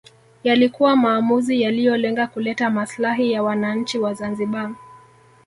Yalikuwa maamuzi yaliyolenga kuleta maslahi ya wananchi wa Zanzibar